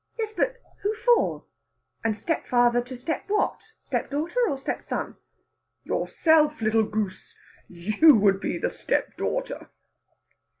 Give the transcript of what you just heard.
"Yes, but who for? And stepfather to step what? Stepdaughter or stepson?" "Yourself, little goose! You would be the stepdaughter."